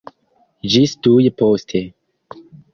Ĝis tuj poste!